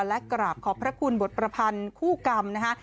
และกราบขอบพระคุณบทประพันธ์คู่กรรมนะคะ